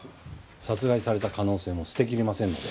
殺害された可能性も捨てきれませんので。